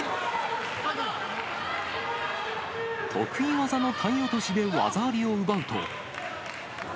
得意技の体落としで技ありを奪うと。